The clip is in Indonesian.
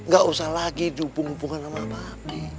gak usah lagi dukung dukungan sama papi